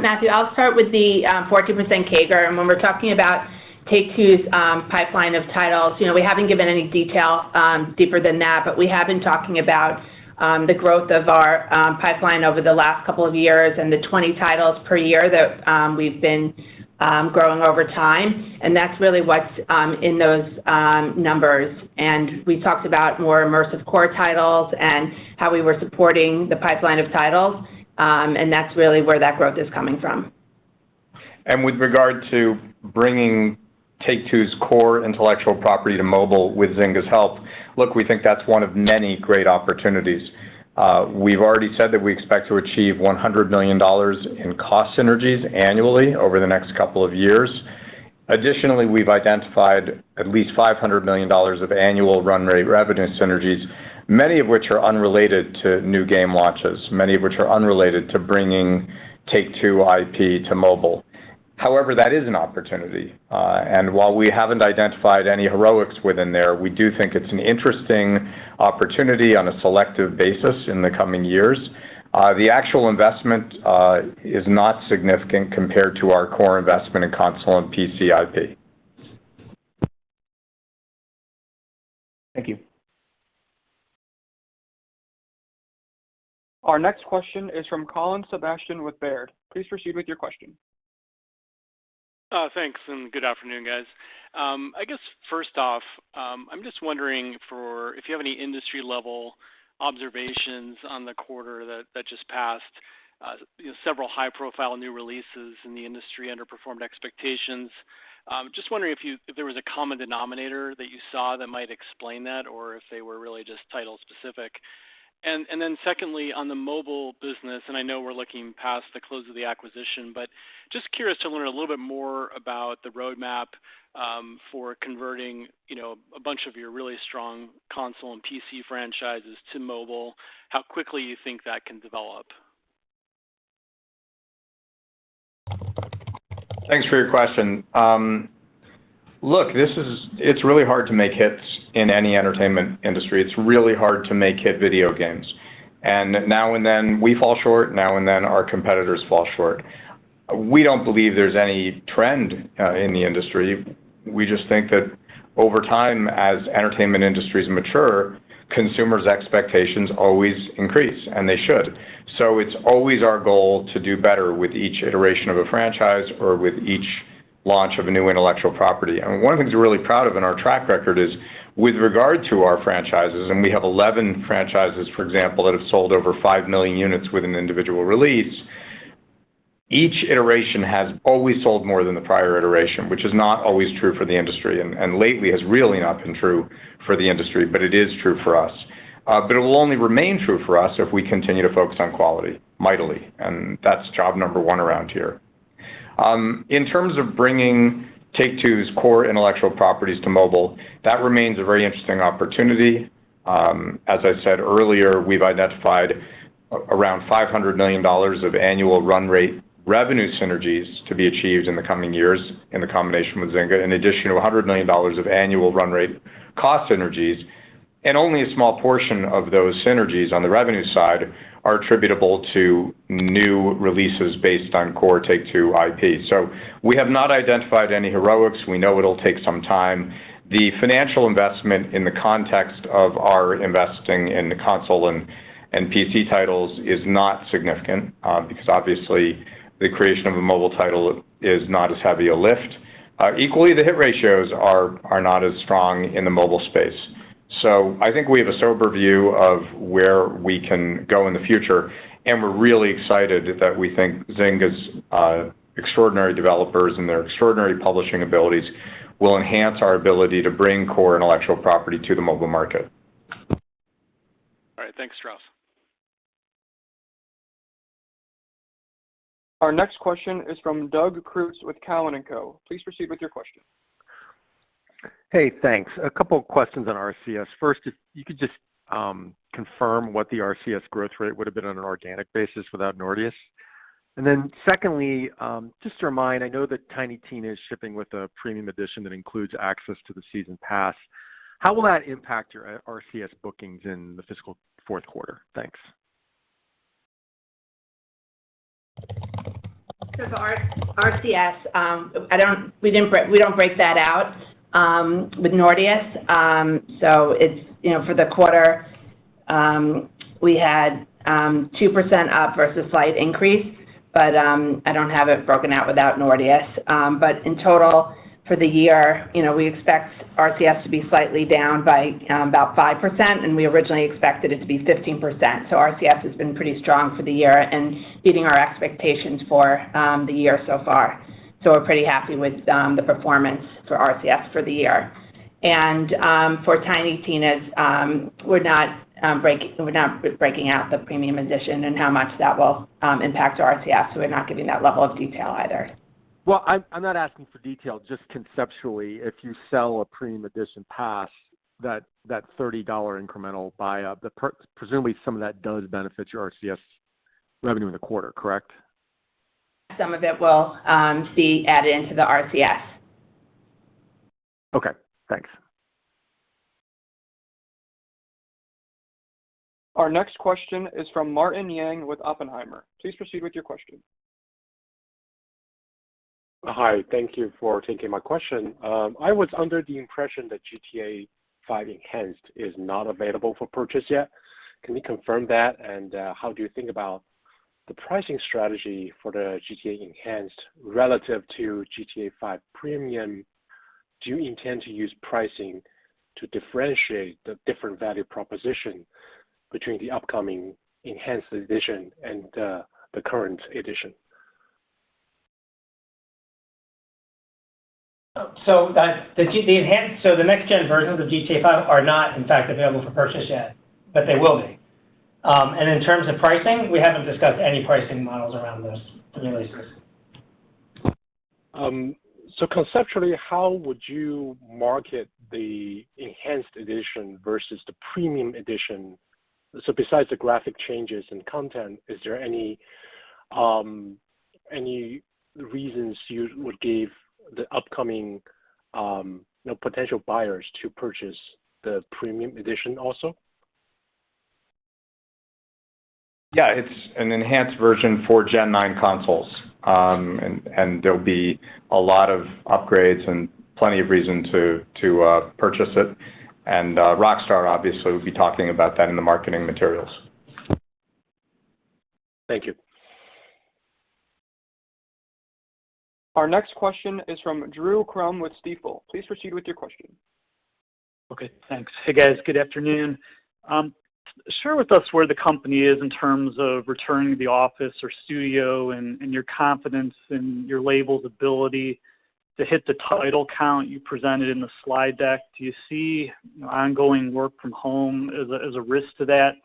Matthew, I'll start with the 14% CAGR. When we're talking about Take-Two's pipeline of titles, you know, we haven't given any detail deeper than that, but we have been talking about the growth of our pipeline over the last couple of years and the 20 titles per year that we've been growing over time. That's really what's in those numbers. We talked about more immersive core titles and how we were supporting the pipeline of titles, and that's really where that growth is coming from. With regard to bringing Take-Two's core intellectual property to mobile with Zynga's help. Look, we think that's one of many great opportunities. We've already said that we expect to achieve $100 million in cost synergies annually over the next couple of years. Additionally, we've identified at least $500 million of annual run-rate revenue synergies, many of which are unrelated to new game launches, many of which are unrelated to bringing Take-Two IP to mobile. However, that is an opportunity. While we haven't identified any heroics within there, we do think it's an interesting opportunity on a selective basis in the coming years. The actual investment is not significant compared to our core investment in console and PC IP. Thank you. Our next question is from Colin Sebastian with Baird. Please proceed with your question. Thanks, and good afternoon, guys. I guess first off, I'm just wondering if you have any industry-level observations on the quarter that just passed. You know, several high-profile new releases in the industry underperformed expectations. Just wondering if there was a common denominator that you saw that might explain that or if they were really just title-specific. Secondly, on the mobile business, and I know we're looking past the close of the acquisition, but just curious to learn a little bit more about the roadmap for converting, you know, a bunch of your really strong console and PC franchises to mobile, how quickly you think that can develop. Thanks for your question. Look, it's really hard to make hits in any entertainment industry. It's really hard to make hit video games. Now and then we fall short, now and then our competitors fall short. We don't believe there's any trend in the industry. We just think that over time, as entertainment industries mature, consumers' expectations always increase, and they should. It's always our goal to do better with each iteration of a franchise or with each launch of a new intellectual property. One of the things we're really proud of in our track record is with regard to our franchises, and we have 11 franchises, for example, that have sold over 5 million units with an individual release. Each iteration has always sold more than the prior iteration, which is not always true for the industry, and lately has really not been true for the industry, but it is true for us. But it will only remain true for us if we continue to focus on quality mightily, and that's job number one around here. In terms of bringing Take-Two's core intellectual properties to mobile, that remains a very interesting opportunity. As I said earlier, we've identified around $500 million of annual run rate revenue synergies to be achieved in the coming years in the combination with Zynga, in addition to $100 million of annual run rate cost synergies. Only a small portion of those synergies on the revenue side are attributable to new releases based on core Take-Two IP. We have not identified any heroics. We know it'll take some time. The financial investment in the context of our investing in the console and PC titles is not significant, because obviously the creation of a mobile title is not as heavy a lift. Equally, the hit ratios are not as strong in the mobile space. I think we have a sober view of where we can go in the future, and we're really excited that we think Zynga's extraordinary developers and their extraordinary publishing abilities will enhance our ability to bring core intellectual property to the mobile market. All right. Thanks, Strauss. Our next question is from Doug Creutz with Cowen and Company. Please proceed with your question. Hey, thanks. A couple of questions on RCS. First, if you could just confirm what the RCS growth rate would have been on an organic basis without Nordeus. Then secondly, just a reminder, I know that Tiny Tina is shipping with a premium edition that includes access to the season pass. How will that impact your RCS bookings in the fiscal fourth quarter? Thanks. For our RCS, we don't break that out with Nordeus. It's, you know, for the quarter, we had 2% up versus slight increase, but I don't have it broken out without Nordeus. In total, for the year, you know, we expect RCS to be slightly down by about 5%, and we originally expected it to be 15%. RCS has been pretty strong for the year and beating our expectations for the year so far. We're pretty happy with the performance for RCS for the year. For Tiny Tina's, we're not breaking out the premium edition and how much that will impact our RCS. We're not giving that level of detail either. Well, I'm not asking for detail, just conceptually, if you sell a premium edition pass, that $30 incremental buy-up, the, presumably some of that does benefit your RCS revenue in the quarter, correct? Some of it will be added into the RCS. Okay, thanks. Our next question is from Martin Yang with Oppenheimer. Please proceed with your question. Hi. Thank you for taking my question. I was under the impression that GTA V Enhanced is not available for purchase yet. Can you confirm that? How do you think about the pricing strategy for the GTA V Enhanced relative to GTA V Premium? Do you intend to use pricing to differentiate the different value proposition Between the upcoming enhanced edition and the current edition? The next-gen version of the GTA V are not, in fact, available for purchase yet, but they will be. In terms of pricing, we haven't discussed any pricing models around those releases. Conceptually, how would you market the enhanced edition versus the premium edition? Besides the graphic changes in content, is there any reasons you would give the upcoming, you know, potential buyers to purchase the premium edition also? Yeah. It's an enhanced version for Gen 9 consoles. And there'll be a lot of upgrades and plenty of reason to purchase it. Rockstar, obviously, will be talking about that in the marketing materials. Thank you. Our next question is from Drew Crum with Stifel. Please proceed with your question. Okay, thanks. Hey, guys. Good afternoon. Share with us where the company is in terms of returning to the office or studio and your confidence in your label's ability to hit the title count you presented in the slide deck. Do you see ongoing work from home as a risk to that?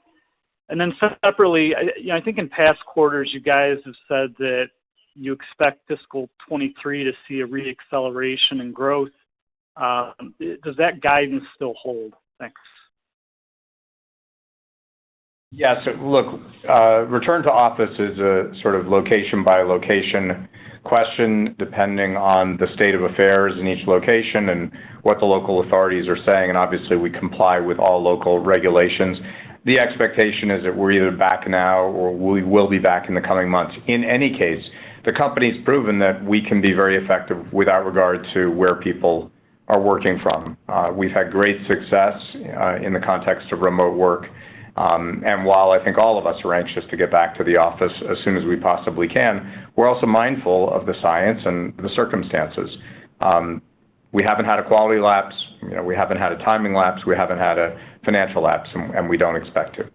Then separately, you know, I think in past quarters you guys have said that you expect fiscal 2023 to see a re-acceleration in growth. Does that guidance still hold? Thanks. Yeah. Look, return to office is a sort of location by location question, depending on the state of affairs in each location and what the local authorities are saying, and obviously, we comply with all local regulations. The expectation is that we're either back now or we will be back in the coming months. In any case, the company's proven that we can be very effective without regard to where people are working from. We've had great success in the context of remote work. While I think all of us are anxious to get back to the office as soon as we possibly can, we're also mindful of the science and the circumstances. We haven't had a quality lapse, you know, we haven't had a timing lapse, we haven't had a financial lapse, and we don't expect to.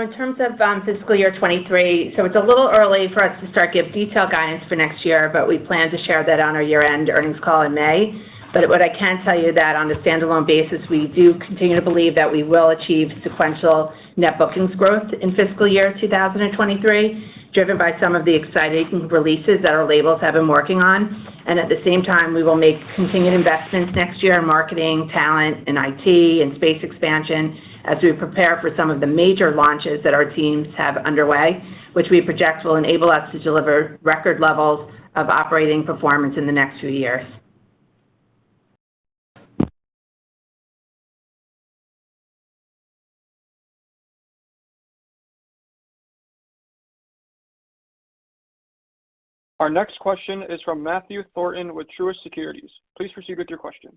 In terms of fiscal year 2023, so it's a little early for us to start give detailed guidance for next year, but we plan to share that on our year-end earnings call in May. What I can tell you that on a standalone basis, we do continue to believe that we will achieve sequential net bookings growth in fiscal year 2023, driven by some of the exciting releases that our labels have been working on. At the same time, we will make continued investments next year in marketing, talent and IT and space expansion as we prepare for some of the major launches that our teams have underway, which we project will enable us to deliver record levels of operating performance in the next few years. Our next question is from Matthew Thornton with Truist Securities. Please proceed with your question.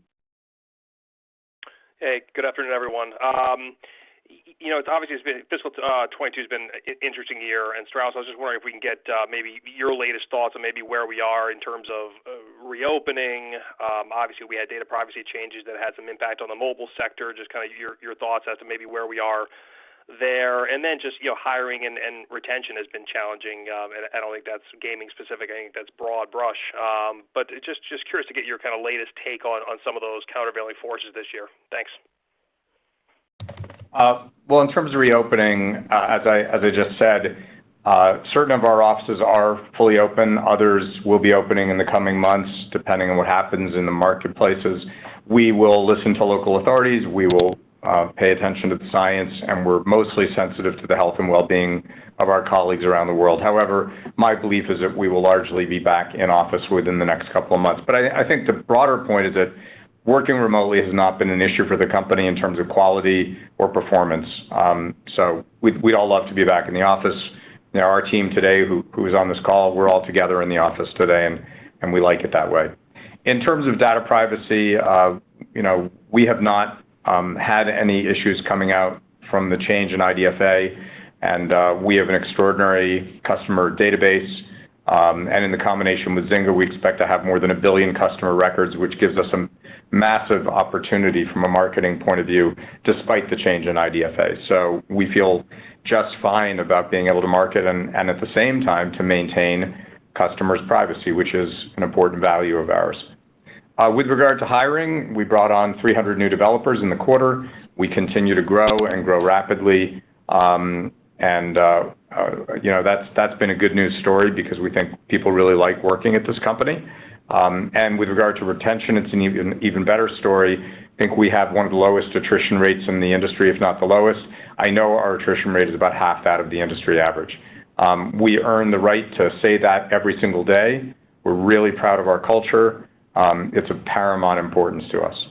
Hey, good afternoon, everyone. You know, obviously fiscal 2022 has been an interesting year. Strauss, I was just wondering if we can get maybe your latest thoughts on maybe where we are in terms of reopening. Obviously, we had data privacy changes that had some impact on the mobile sector. Just kinda your thoughts as to maybe where we are there. You know, hiring and retention has been challenging. I don't think that's gaming specific. I think that's broad brush. Just curious to get your kinda latest take on some of those countervailing forces this year. Thanks. Well, in terms of reopening, as I just said, certain of our offices are fully open. Others will be opening in the coming months, depending on what happens in the marketplaces. We will listen to local authorities, we will pay attention to the science, and we're mostly sensitive to the health and well-being of our colleagues around the world. However, my belief is that we will largely be back in office within the next couple of months. I think the broader point is that working remotely has not been an issue for the company in terms of quality or performance. We'd all love to be back in the office. You know, our team today, who is on this call, we're all together in the office today, and we like it that way. In terms of data privacy, you know, we have not had any issues coming out from the change in IDFA, and we have an extraordinary customer database. In the combination with Zynga, we expect to have more than 1 billion customer records, which gives us some massive opportunity from a marketing point of view, despite the change in IDFA. We feel just fine about being able to market and at the same time to maintain customers' privacy, which is an important value of ours. With regard to hiring, we brought on 300 new developers in the quarter. We continue to grow rapidly. You know, that's been a good news story because we think people really like working at this company. With regard to retention, it's an even better story. I think we have one of the lowest attrition rates in the industry, if not the lowest. I know our attrition rate is about half that of the industry average. We earn the right to say that every single day. We're really proud of our culture. It's of paramount importance to us.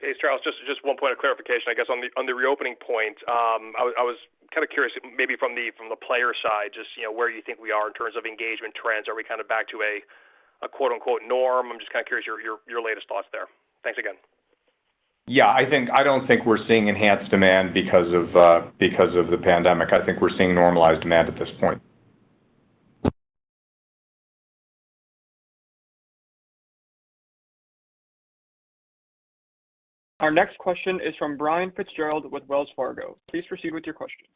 Hey, Strauss, just one point of clarification, I guess. On the reopening point, I was kinda curious, maybe from the player side, just, you know, where you think we are in terms of engagement trends. Are we kinda back to a quote-unquote norm? I'm just kinda curious your latest thoughts there. Thanks again. Yeah. I think I don't think we're seeing enhanced demand because of the pandemic. I think we're seeing normalized demand at this point. Our next question is from Brian Fitzgerald with Wells Fargo. Please proceed with your question.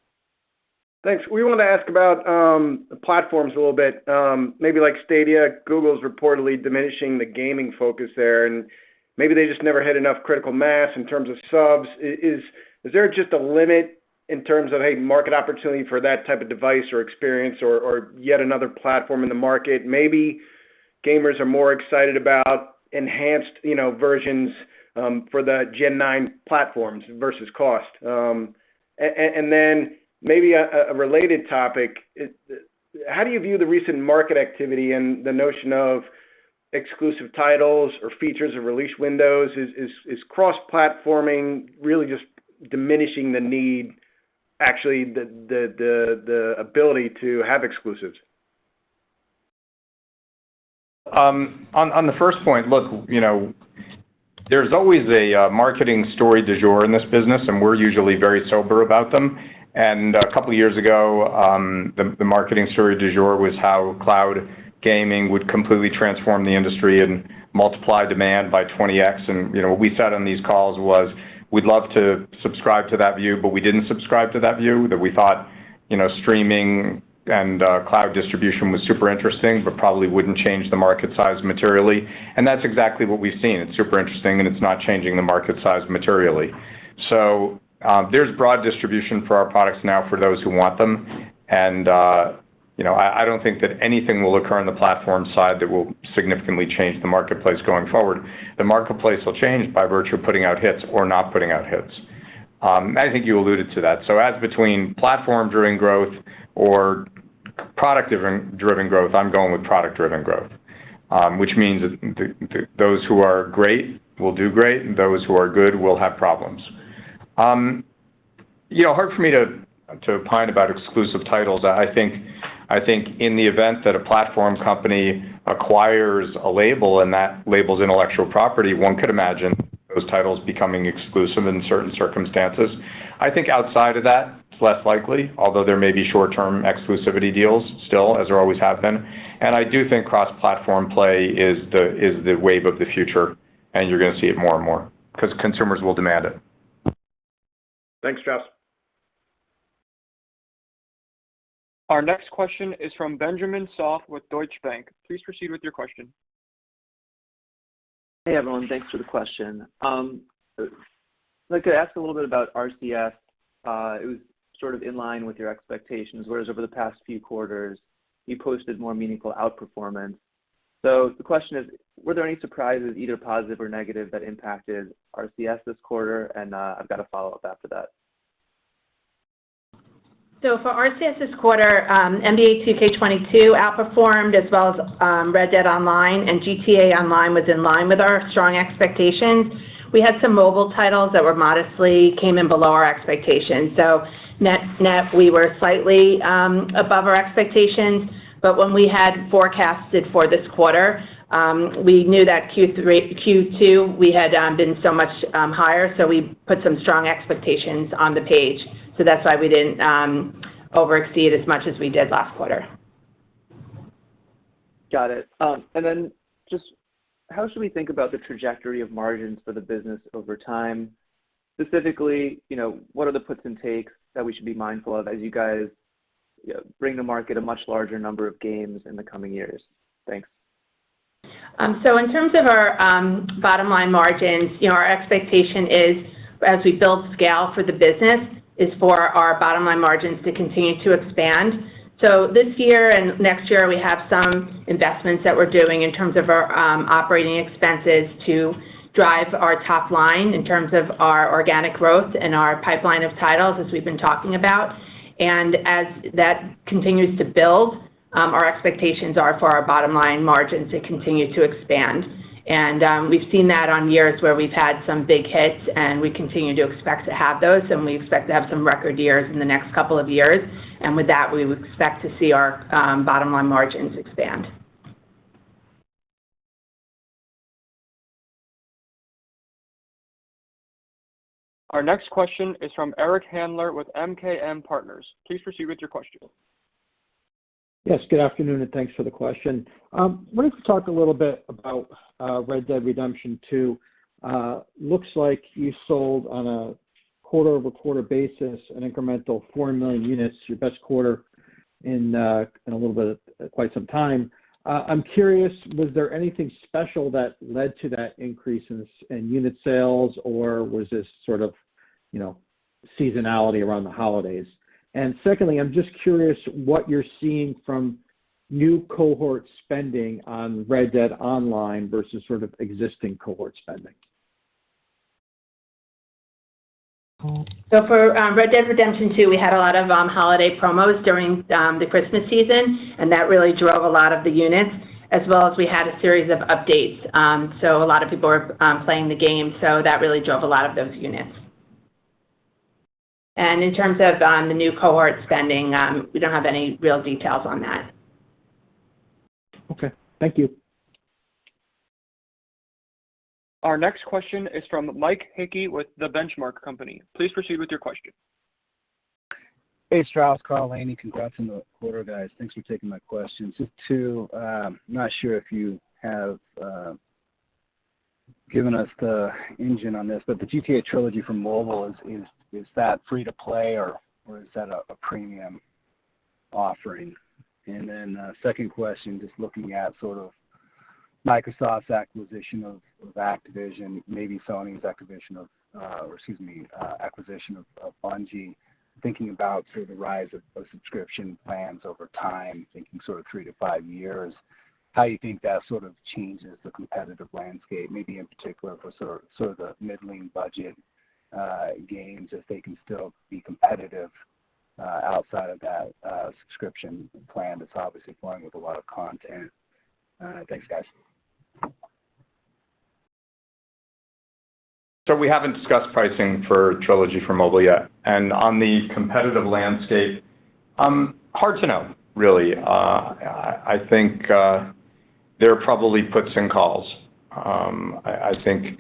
Thanks. We want to ask about the platforms a little bit, maybe like Stadia. Google's reportedly diminishing the gaming focus there, and maybe they just never had enough critical mass in terms of subs. Is there just a limit in terms of a market opportunity for that type of device or experience or yet another platform in the market? Maybe gamers are more excited about enhanced, you know, versions for the Gen 9 platforms versus cost. And then maybe a related topic is the how do you view the recent market activity and the notion of exclusive titles or features or release windows? Is cross-platforming really just diminishing the need actually the ability to have exclusives? On the first point, look, you know, there's always a marketing story du jour in this business, and we're usually very sober about them. A couple of years ago, the marketing story du jour was how cloud gaming would completely transform the industry and multiply demand by 20x. You know, what we said on these calls was, we'd love to subscribe to that view, but we didn't subscribe to that view. We thought, you know, streaming and cloud distribution was super interesting, but probably wouldn't change the market size materially. That's exactly what we've seen. It's super interesting, and it's not changing the market size materially. There's broad distribution for our products now for those who want them. You know, I don't think that anything will occur on the platform side that will significantly change the marketplace going forward. The marketplace will change by virtue of putting out hits or not putting out hits. I think you alluded to that. As between platform-driven growth or product-driven growth, I'm going with product-driven growth. Which means that those who are great will do great, and those who are good will have problems. You know, hard for me to opine about exclusive titles. I think in the event that a platform company acquires a label and that label's intellectual property, one could imagine those titles becoming exclusive in certain circumstances. I think outside of that, it's less likely, although there may be short-term exclusivity deals still, as there always have been. I do think cross-platform play is the wave of the future, and you're gonna see it more and more because consumers will demand it. Thanks, Jeff. Our next question is from Benjamin Soff with Deutsche Bank. Please proceed with your question. Hey, everyone. Thanks for the question. If I could ask a little bit about RCS. It was sort of in line with your expectations, whereas over the past few quarters, you posted more meaningful outperformance. The question is, were there any surprises, either positive or negative, that impacted RCS this quarter? I've got a follow-up after that. For RCS this quarter, NBA 2K22 outperformed as well as Red Dead Online, and GTA Online was in line with our strong expectations. We had some mobile titles that were modestly came in below our expectations. Net, we were slightly above our expectations. When we had forecasted for this quarter, we knew that Q2 we had been so much higher, so we put some strong expectations on the page. That's why we didn't over exceed as much as we did last quarter. Got it. Just how should we think about the trajectory of margins for the business over time? Specifically, you know, what are the puts and takes that we should be mindful of as you guys bring to market a much larger number of games in the coming years? Thanks. In terms of our bottom line margins, you know, our expectation is as we build scale for the business, is for our bottom line margins to continue to expand. This year and next year, we have some investments that we're doing in terms of our operating expenses to drive our top line in terms of our organic growth and our pipeline of titles as we've been talking about. As that continues to build, our expectations are for our bottom line margins to continue to expand. We've seen that on years where we've had some big hits, and we continue to expect to have those, and we expect to have some record years in the next couple of years. With that, we would expect to see our bottom line margins expand. Our next question is from Eric Handler with MKM Partners. Please proceed with your question. Yes, good afternoon, and thanks for the question. Wanted to talk a little bit about Red Dead Redemption 2. Looks like you sold on a quarter-over-quarter basis an incremental 4 million units, your best quarter in a little bit of quite some time. I'm curious, was there anything special that led to that increase in unit sales, or was this sort of, you know, seasonality around the holidays? Secondly, I'm just curious what you're seeing from new cohort spending on Red Dead Online versus sort of existing cohort spending. For Red Dead Redemption 2, we had a lot of holiday promos during the Christmas season, and that really drove a lot of the units, as well as we had a series of updates. A lot of people are playing the game, so that really drove a lot of those units. In terms of the new cohort spending, we don't have any real details on that. Okay. Thank you. Our next question is from Michael Hickey with The Benchmark Company. Please proceed with your question. Hey, Strauss, Karl, Lainie. Congrats on the quarter, guys. Thanks for taking my questions. Just two. I'm not sure if you have given us the engine on this, but the GTA Trilogy for mobile, is that free to play or is that a premium offering? Then a second question, just looking at sort of Microsoft's acquisition of Activision, maybe Sony's acquisition of Bungie, thinking about sort of the rise of subscription plans over time, thinking sort of 3-5 years, how you think that sort of changes the competitive landscape, maybe in particular for sort of the middling budget games, if they can still be competitive outside of that subscription plan that's obviously flying with a lot of content. Thanks, guys. We haven't discussed pricing for Trilogy for mobile yet. On the competitive landscape, hard to know really. I think there are probably puts and calls. I think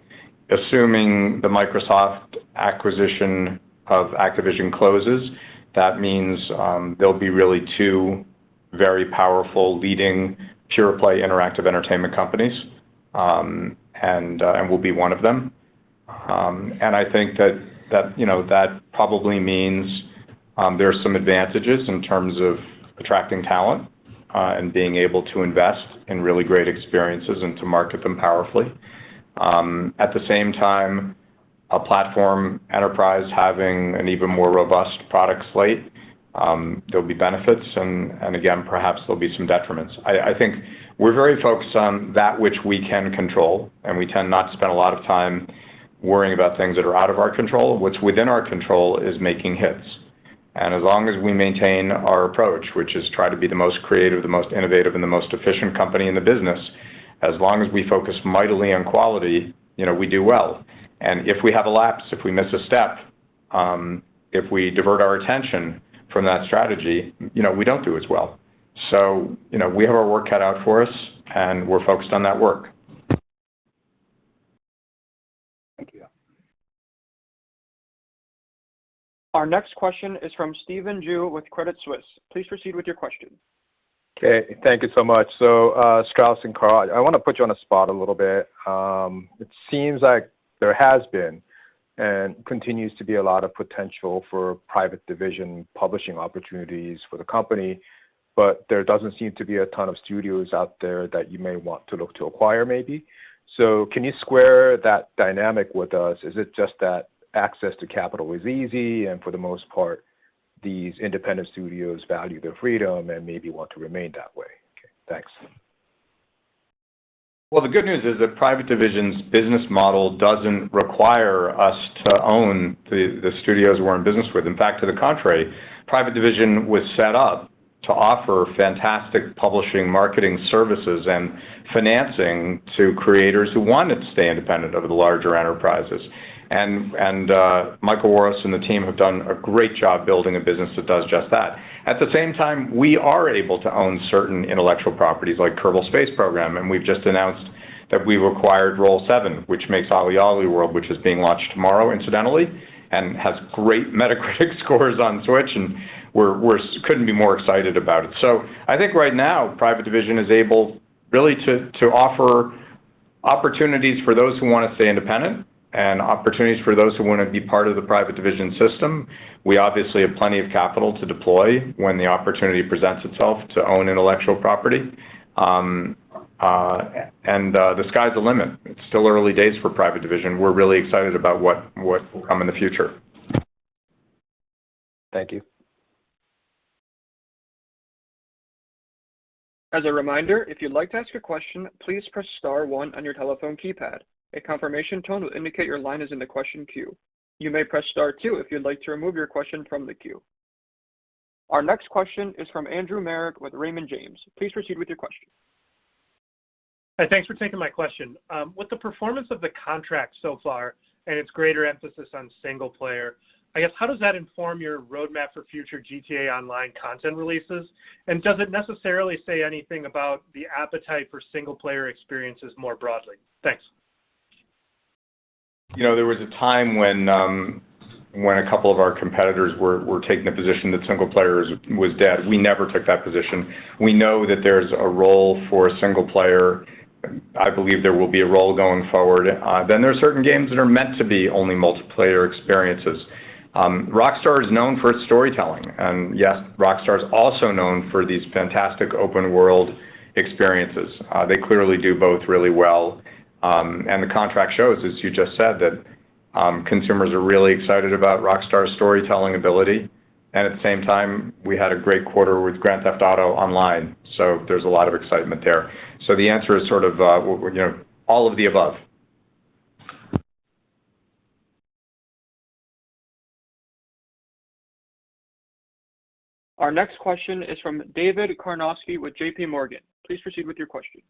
assuming the Microsoft acquisition of Activision closes, that means there'll be really two very powerful leading pure play interactive entertainment companies, and we'll be one of them. I think that you know that probably means there are some advantages in terms of attracting talent, and being able to invest in really great experiences and to market them powerfully. At the same time, a platform enterprise having an even more robust product slate, there'll be benefits and again, perhaps there'll be some detriments. I think we're very focused on that which we can control, and we tend not to spend a lot of time worrying about things that are out of our control. What's within our control is making hits. As long as we maintain our approach, which is try to be the most creative, the most innovative, and the most efficient company in the business, as long as we focus mightily on quality, you know, we do well. If we have a lapse, if we miss a step, if we divert our attention from that strategy, you know, we don't do as well. You know, we have our work cut out for us, and we're focused on that work. Thank you. Our next question is from Stephen Ju with Credit Suisse. Please proceed with your question. Okay. Thank you so much. Strauss and Karl, I wanna put you on the spot a little bit. It seems like there has been and continues to be a lot of potential for Private Division publishing opportunities for the company, but there doesn't seem to be a ton of studios out there that you may want to look to acquire maybe. Can you square that dynamic with us? Is it just that access to capital is easy, and for the most part, these independent studios value their freedom and maybe want to remain that way? Okay, thanks. Well, the good news is that Private Division's business model doesn't require us to own the studios we're in business with. In fact, to the contrary, Private Division was set up to offer fantastic publishing, marketing services and financing to creators who wanted to stay independent of the larger enterprises. Michael Worosz and the team have done a great job building a business that does just that. At the same time, we are able to own certain intellectual properties like Kerbal Space Program, and we've just announced that we've acquired Roll7, which makes OlliOlli World, which is being launched tomorrow incidentally and has great Metacritic scores on Switch, and we couldn't be more excited about it. I think right now, Private Division is able really to offer opportunities for those who wanna stay independent and opportunities for those who wanna be part of the Private Division system. We obviously have plenty of capital to deploy when the opportunity presents itself to own intellectual property. The sky's the limit. It's still early days for Private Division. We're really excited about what will come in the future. Thank you. As a reminder, if you'd like to ask a question, please press star 1 on your telephone keypad. A confirmation tone will indicate your line is in the question queue. You may press star 2 if you'd like to remove your question from the queue. Our next question is from Andrew Marok with Raymond James. Please proceed with your question. Hi, thanks for taking my question. With the performance of The Contract so far and its greater emphasis on single player, I guess, how does that inform your roadmap for future GTA Online content releases? Does it necessarily say anything about the appetite for single player experiences more broadly? Thanks. You know, there was a time when a couple of our competitors were taking a position that single-player was dead. We never took that position. We know that there's a role for single-player. I believe there will be a role going forward. There are certain games that are meant to be only multiplayer experiences. Rockstar is known for its storytelling, and yes, Rockstar is also known for these fantastic open world experiences. They clearly do both really well. The Contract shows, as you just said, that consumers are really excited about Rockstar's storytelling ability. At the same time, we had a great quarter with Grand Theft Auto Online, so there's a lot of excitement there. The answer is sort of, you know, all of the above. Our next question is from David Karnovsky with JPMorgan. Please proceed with your question.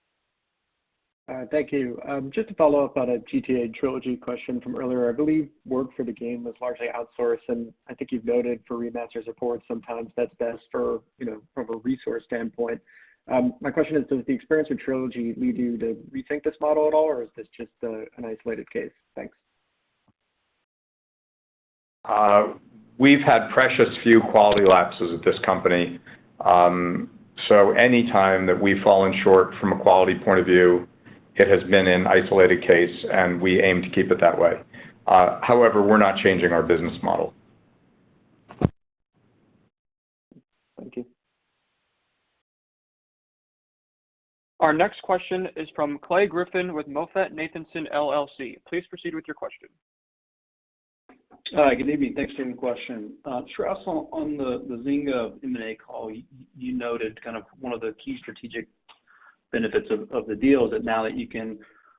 Thank you. Just to follow up on a GTA Trilogy question from earlier, I believe work for the game was largely outsourced, and I think you've noted for remaster support sometimes that's best for, you know, from a resource standpoint. My question is, does the experience with Trilogy lead you to rethink this model at all, or is this just a, an isolated case? Thanks. We've had precious few quality lapses at this company. Any time that we've fallen short from a quality point of view, it has been an isolated case, and we aim to keep it that way. However, we're not changing our business model. Thank you. Our next question is from Clay Griffin with MoffettNathanson LLC. Please proceed with your question. Hi. Good evening. Thanks for taking the question. Strauss, on the Zynga M&A call, you noted kind of one of the key strategic benefits of the deal is that now that you can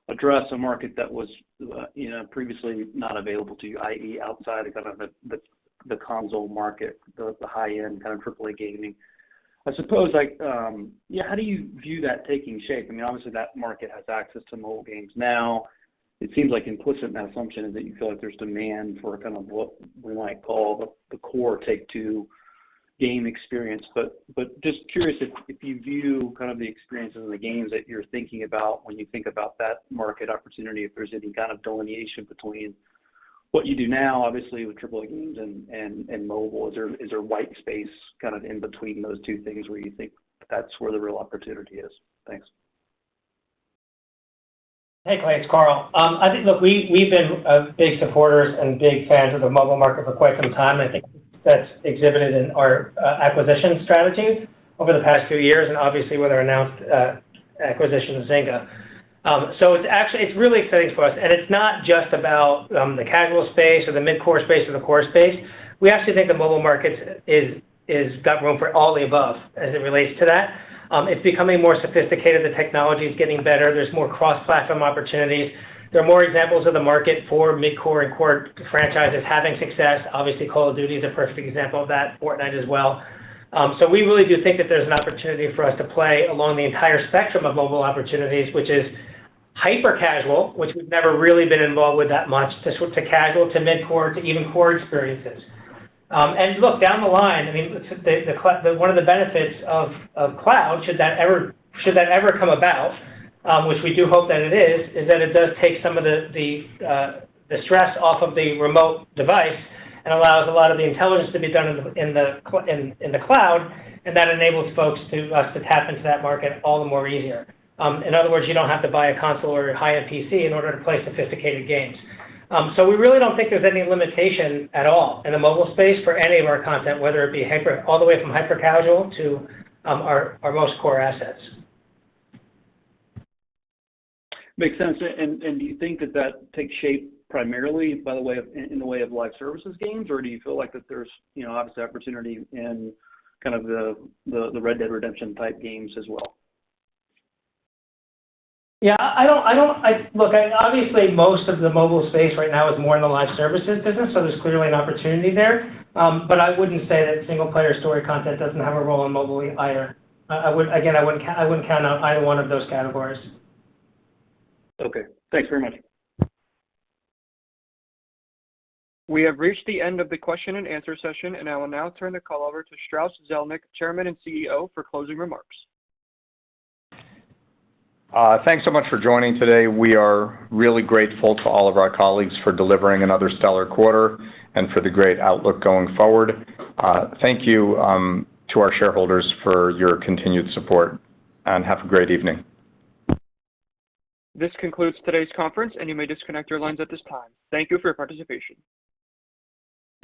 address a market that was you know previously not available to you, i.e., outside of kind of the console market, the high-end kind of AAA gaming. I suppose like how do you view that taking shape? I mean, obviously, that market has access to mobile games now. It seems like implicit in that assumption is that you feel like there's demand for kind of what we might call the core Take-Two game experience. Just curious if you view kind of the experiences and the games that you're thinking about when you think about that market opportunity, if there's any kind of delineation between what you do now, obviously, with AAA games and mobile. Is there white space kind of in between those two things where you think that's where the real opportunity is? Thanks. Hey, Clay, it's Karl. I think that we've been big supporters and big fans of the mobile market for quite some time, and I think that's exhibited in our acquisition strategy over the past few years and obviously with our announced acquisition of Zynga. It's actually. It's really exciting for us, and it's not just about the casual space or the mid-core space or the core space. We actually think the mobile market is got room for all the above as it relates to that. It's becoming more sophisticated, the technology is getting better. There's more cross-platform opportunities. There are more examples of the market for mid-core and core franchises having success. Obviously, Call of Duty is a perfect example of that, Fortnite as well. We really do think that there's an opportunity for us to play along the entire spectrum of mobile opportunities, which is hyper casual, which we've never really been involved with that much, to casual, to mid-core to even core experiences. Look, down the line, I mean, one of the benefits of cloud, should that ever come about, which we do hope that it is that it does take some of the stress off of the remote device and allows a lot of the intelligence to be done in the cloud, and that enables us to tap into that market all the more easier. In other words, you don't have to buy a console or high-end PC in order to play sophisticated games. We really don't think there's any limitation at all in the mobile space for any of our content, whether it be all the way from hyper casual to our most core assets. Makes sense. Do you think that takes shape primarily in the way of live services games, or do you feel like that there's, you know, obvious opportunity in kind of the Red Dead Redemption type games as well? Look, obviously, most of the mobile space right now is more in the live services business, so there's clearly an opportunity there. I wouldn't say that single player story content doesn't have a role in mobile either. I would, again, I wouldn't count out either one of those categories. Okay. Thanks very much. We have reached the end of the question and answer session, and I will now turn the call over to Strauss Zelnick, Chairman and CEO, for closing remarks. Thanks so much for joining today. We are really grateful to all of our colleagues for delivering another stellar quarter and for the great outlook going forward. Thank you to our shareholders for your continued support, and have a great evening. This concludes today's conference, and you may disconnect your lines at this time. Thank you for your participation.